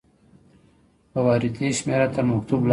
د واردې شمیره تر مکتوب لاندې وي.